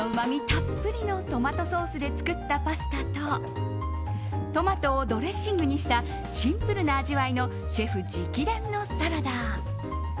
たっぷりのトマトソースで作ったパスタとトマトをドレッシングにしたシンプルな味わいのシェフ直伝のサラダ。